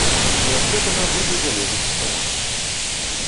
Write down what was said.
І ад гэтага будзе залежыць цана.